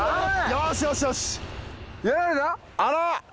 よしよしよしあら？